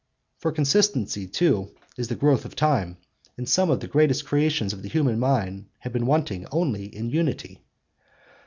For consistency, too, is the growth of time; and some of the greatest creations of the human mind have been wanting in unity.